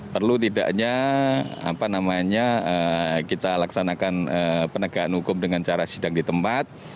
perlu tidaknya kita laksanakan penegakan hukum dengan cara sidang di tempat